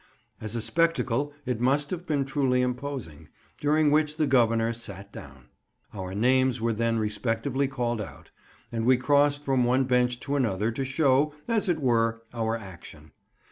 As a spectacle, it must have been truly imposing, during which the Governor sat down. Our names were then respectively called out, and we crossed from one bench to another to show, as it were, our action.